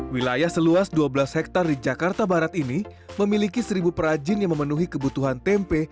wilayah seluas dua belas hektare di jakarta barat ini memiliki seribu perajin yang memenuhi kebutuhan tempe